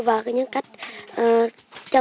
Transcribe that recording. và những cây dược liệu